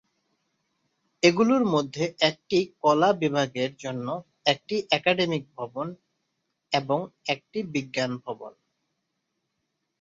এগুলোর মধ্যে একটি কলা বিভাগের জন্য, একটি একাডেমিক ভবন এবং একটি বিজ্ঞান ভবন।